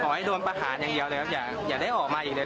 ให้โดนประหารอย่างเดียวเลยครับอย่าได้ออกมาอีกเลย